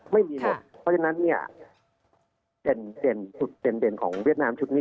ไม่มีหมดเพราะฉะนั้นเนี่ยเด่นจุดเด่นของเวียดนามชุดนี้